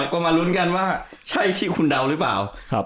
ก็มาลุ้นกันว่าใช่ที่คุณเดาหรือเปล่า